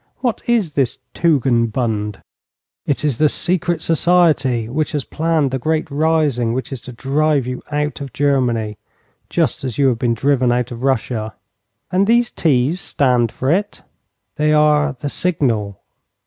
'What is this Tugendbund?' 'It is the secret society which has planned the great rising which is to drive you out of Germany, just as you have been driven out of Russia.' 'And these T's stand for it?' 'They are the signal.